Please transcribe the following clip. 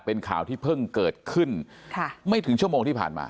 เป็นข่าวที่เพิ่งเกิดขึ้นไม่ถึงชั่วโมงที่ผ่านมา